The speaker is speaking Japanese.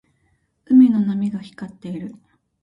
海の波が光っている。